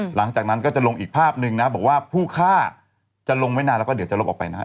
หลังจากนั้นก็จะลงอีกภาพหนึ่งนะบอกว่าผู้ฆ่าจะลงไม่นานแล้วก็เดี๋ยวจะลบออกไปนะฮะ